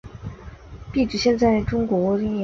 碑址现在中国吉林省集安市集安镇好太王陵东。